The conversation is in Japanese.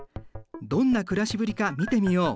どんな暮らしぶりか見てみよう。